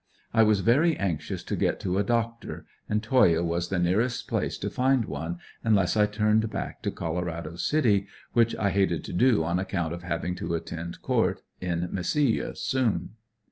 I was very anxious to get to a doctor, and Toyah was the nearest place to find one unless I turned back to Colorado City, which I hated to do on account of having to attend court in Mesilla, soon.